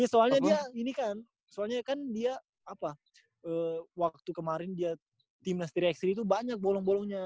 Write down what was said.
iya soalnya dia ini kan soalnya kan dia apa waktu kemarin dia tim neste reaksi itu banyak bolong bolongnya